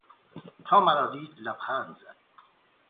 تا مرا دید لبخند زد.